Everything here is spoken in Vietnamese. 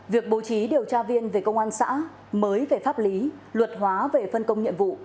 việc bố trí điều tra viên về công an xã mới về pháp lý luật hóa về phân công nhiệm vụ